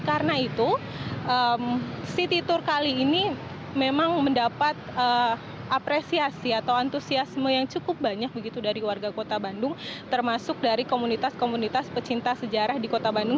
karena itu city tour kali ini memang mendapat apresiasi atau antusiasme yang cukup banyak begitu dari warga kota bandung termasuk dari komunitas komunitas pecinta sejarah di kota bandung